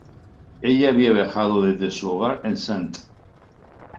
Ella había viajado desde su hogar en St.